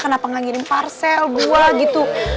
kenapa gak ngirim parsel dua gitu